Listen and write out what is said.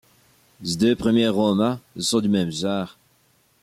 Ses deux premiers romans sont du même genre.